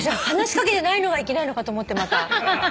話し掛けてないのがいけないのかと思ってまた。